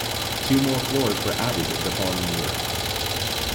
Two more floors were added the following year.